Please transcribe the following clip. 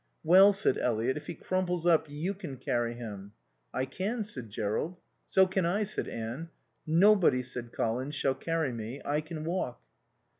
"Well," said Eliot, "if he crumples up you can carry him." "I can," said Jerrold. "So can I," said Anne. "Nobody," said Colin "shall carry me. I can walk."